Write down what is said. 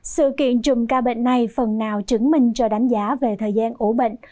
sự kiện chùm ca bệnh này phần nào chứng minh cho đánh giá về thời gian ủ bệnh